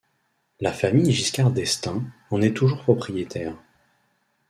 La famille Giscard d’Estaing en est toujours propriétaire.